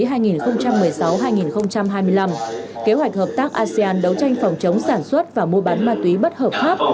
kế hoạch hợp tác asean đấu tranh phòng chống sản xuất và mua bán ma túy bất hợp pháp